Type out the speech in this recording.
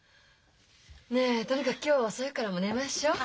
ねえとにかく今日は遅いからもう寝ましょう。